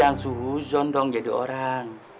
lo jangan suhu zon dong jadi orang